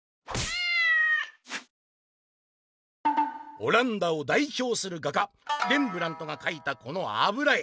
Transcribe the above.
「オランダをだいひょうする画家レンブラントが描いたこのあぶら絵！